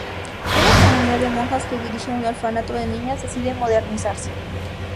Una comunidad de monjas que dirige un orfanato de niñas decide modernizarse.